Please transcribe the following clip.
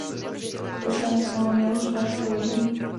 Byl členem sněmovního hospodářského výboru.